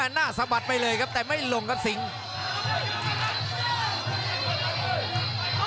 หน้าสะบัดไปเลยครับแต่ไม่ลงครับสิง